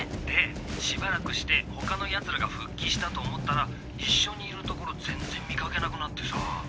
でしばらくして他の奴らが復帰したと思ったら一緒にいるところ全然見かけなくなってさあ。